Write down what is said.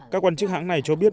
các quan chức hãng này cho biết